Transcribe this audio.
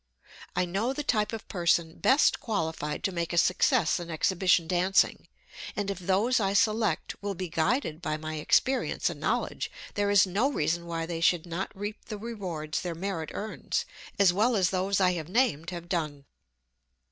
I know the type of person best qualified to make a success in exhibition dancing, and if those I select will be guided by my experience and knowledge there is no reason why they should not reap the rewards their merit earns, as well as those I have named have done.